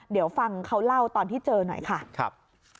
เดี๋ยวฟังเขาเล่าตอนที่เจอหน่อยค่ะครับ